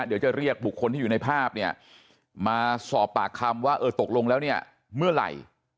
เดี๋ยวจะเรียกบุคคลที่อยู่ในภาพเนี่ยมาสอบปากคำว่าเออตกลงแล้วเนี่ยเมื่อไหร่